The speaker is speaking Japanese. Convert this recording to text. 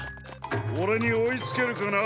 オレにおいつけるかな？